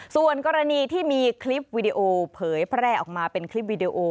ส่วนกรณีที่มีคลิปวิดีโอเผยแพร่ออกมาเป็นคลิปวีดีโอ